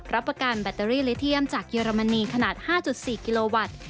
รับประกันแบตเตอรี่เลเทียมจากเยอรมนีขนาด๕๔กิโลวัตต์